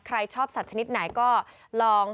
ใครชอบสัตว์ชนิดไหนก็ลอง